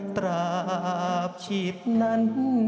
ตราบชีพนั้น